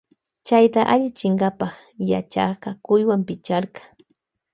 Chayta allichinkapa yachakka cuywan picharka.